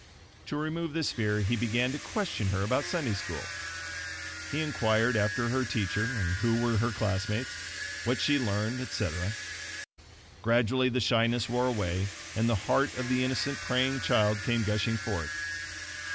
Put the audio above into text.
To remove this fear, he began to question her about Sunday School. He inquired after her teacher and who were her classmates, what she learned, etc. Gradually the shyness wore away, and the heart of the innocent praying child came gushing forth.